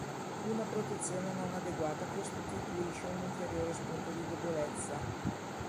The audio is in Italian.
Una protezione non adeguata costituisce un ulteriore spunto di debolezza.